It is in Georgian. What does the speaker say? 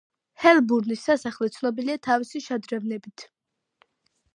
ჰელბრუნის სასახლე ცნობილია თავისი შადრევნებით.